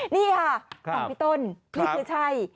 นี่ค่ะของพี่ต้นนี่คือใช่